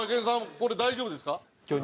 これ大丈夫ですか？